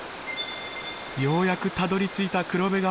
ようやくたどりついた黒部川。